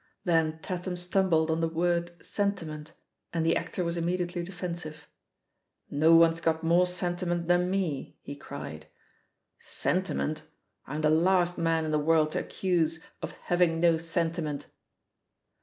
Then Tatham stumbled on the word "sentiment," and the actor was immediately defensive, "No one's got more sentiment than me," he cried. "Sentiment? I'm the last man in the world to accuse of having no sentiment!"